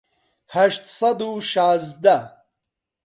هەشت سەد و شازدە